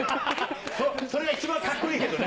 それが一番かっこいいけどね。